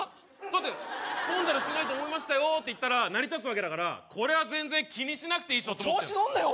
だって混雑してないと思いましたよって言ったら成り立つわけだからこれは全然気にしなくていいっしょと思ってる調子乗んなよ